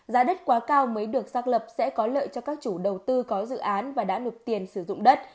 giá đất quá cao mới được xác lập sẽ có lợi cho các chủ đầu tư có dự án và đã nộp tiền sử dụng đất